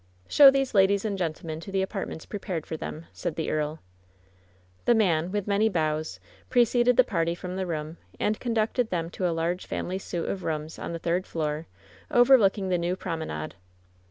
"Show these ladies and gentlemen to the apartments prepared for them," said the earL WHEN SHADOWS DIE 6 The man, with many bows, preceded the party from the room and conducted them to a large family suit of rooms on the third floor, overlooking the New Prome nade.